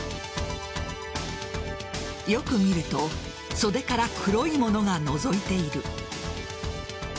よく見ると袖から黒いものがのぞいている。